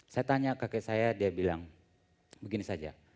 saya tanya kakek saya dia bilang begini saja